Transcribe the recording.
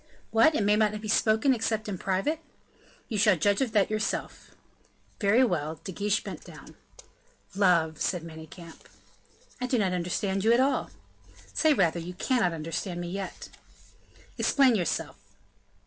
"What! may it not be spoken except in private?" "You shall judge of that yourself." "Very well." De Guiche bent down. "Love," said Manicamp. "I do not understand you at all." "Say rather, you cannot understand me yet." "Explain yourself."